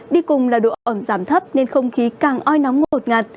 đi cùng là độ ẩm giảm thấp nên không khí càng oi nóng ngột ngạt